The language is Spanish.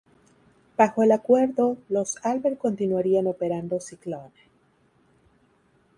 Bajo el acuerdo, los Albert continuarían operando Cyclone.